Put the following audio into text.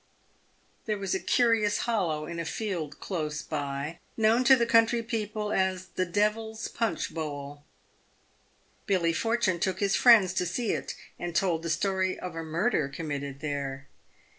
There was a curious hollow in a field close by, known to the country people as the " Devil's Punch bowl." Billy Fortune took his friends to see it, and told the story of a murder committed there.